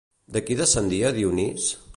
De qui descendia Dionís?